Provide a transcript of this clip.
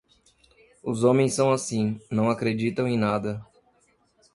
Os homens são assim; não acreditam em nada.